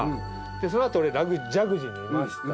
その後俺ジャグジーにいました。